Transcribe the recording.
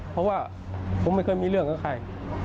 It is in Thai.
เพราะว่าผมไม่เคยมีเรื่องกับใคร